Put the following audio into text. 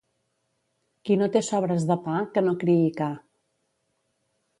Qui no té sobres de pa, que no criï ca.